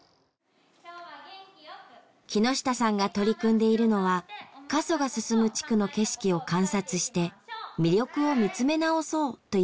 木下さんが取り組んでいるのは過疎が進む地区の景色を観察して魅力を見つめ直そうという学習。